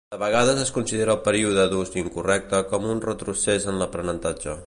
De vegades es considera el període d'ús incorrecte com a un retrocés en l'aprenentatge.